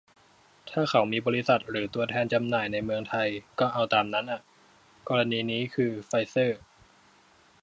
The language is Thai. ถ้าเขามีบริษัทหรือตัวแทนจำหน่ายในเมืองไทย ก็เอาตามนั้นอ่ะ กรณีนี้คือ "ไฟเซอร์"